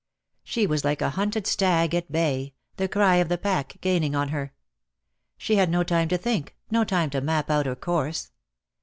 She was like a hunted stag at bay, the cry of the pack gaining on her. She had no time to think, no time to map out her course.